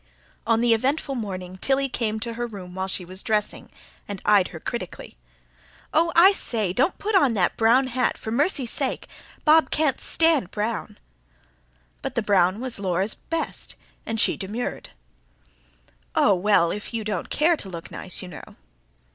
On the eventful morning Tilly came to her room while she was dressing, and eyed her critically. "Oh, I say, don't put on that brown hat ... for mercy's sake! Bob can't stand brown." But the brown was Laura's best, and she demurred. "Oh well, if you don't care to look nice, you know